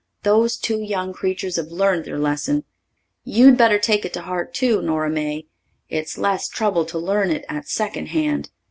Those two young creatures have learned their lesson. You'd better take it to heart too, Nora May. It's less trouble to learn it at second hand.